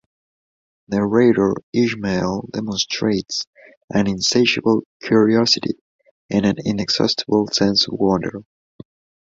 '" Narrator-Ishmael demonstrates "an insatiable curiosity" and an "inexhaustible sense of wonder.